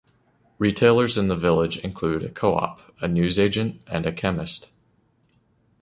Retailers in the village include a Co-op, a newsagent, and a chemist.